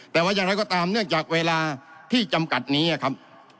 แต่ว่าอย่างไรก็ตามเนื่องจากเวลาที่จำกัดนี้ครับ